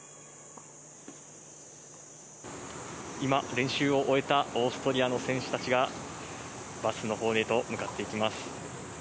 今、練習を終えたオーストリアの選手たちがバスのほうへと向かっていきます。